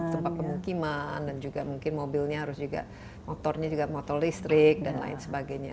tempat pemukiman dan juga mungkin mobilnya harus juga motornya juga motor listrik dan lain sebagainya